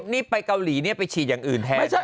นี่ไปเกาหลีเนี่ยไปฉีดอย่างอื่นแทน